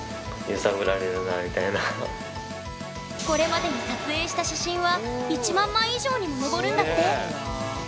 これまでに撮影した写真は１万枚以上にも上るんだって。